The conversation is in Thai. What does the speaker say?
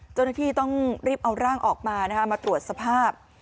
เจ้าหน้าที่ต้องรีบเอาร่างออกมานะคะมาตรวจสภาพ